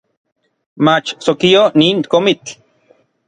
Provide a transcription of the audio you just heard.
Mach sokio nin komitl